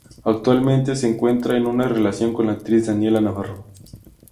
Actualmente se encuentra en una relación con la actriz Daniela Navarro.